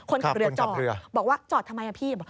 คนขับเรือจอดบอกว่าจอดทำไมอ่ะพี่